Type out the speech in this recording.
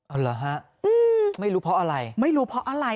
เอาเหรอฮะไม่รู้เพราะอะไร